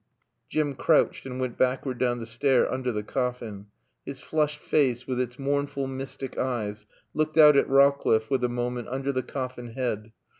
Jim crouched and went backward down the stair under the coffin. His flushed face, with its mournful, mystic eyes, looked out at Rowcliffe for a moment under the coffin head.